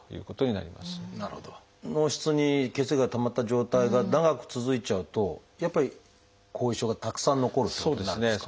脳室に血液がたまった状態が長く続いちゃうとやっぱり後遺症がたくさん残るということになるんですか？